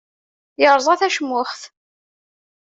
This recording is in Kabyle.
Yerẓa tacmuxt.